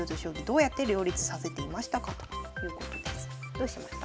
どうしました？